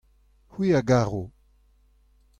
c'hwi a garo.